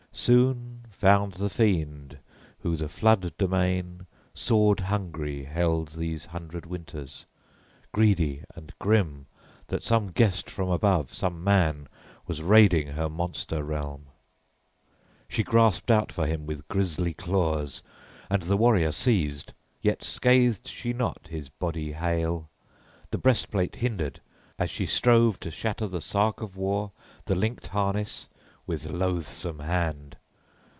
Soon found the fiend who the flood domain sword hungry held these hundred winters, greedy and grim, that some guest from above, some man, was raiding her monster realm. She grasped out for him with grisly claws, and the warrior seized; yet scathed she not his body hale; the breastplate hindered, as she strove to shatter the sark of war, the linked harness, with loathsome hand.